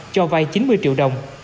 cho vây chín mươi triệu đồng